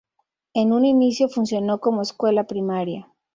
En un inicio funcionó como escuela primaria.